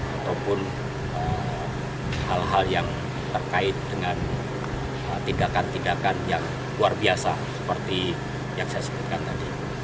ataupun hal hal yang terkait dengan tindakan tindakan yang luar biasa seperti yang saya sebutkan tadi